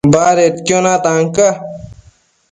Badedquio natan ca